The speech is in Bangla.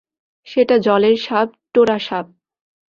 সেটা জলের সাপ, টোড়া সাপ।